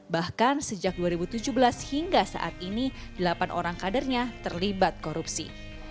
bahkan sejak dua ribu tujuh belas hingga saat ini delapan orang kadernya terlibat korupsi